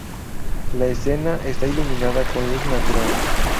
La escena está iluminada con luz natural.